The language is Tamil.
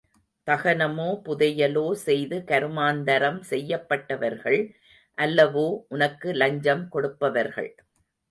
தகனமோ, புதையலோ செய்து கருமாந்தரம் செய்யப்பட்டவர்கள் அல்லவோ உனக்கு லஞ்சம் கொடுப்பவர்கள்.